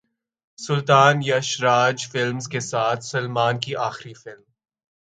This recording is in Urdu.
سلطان یش راج فلمز کے ساتھ سلمان کی اخری فلم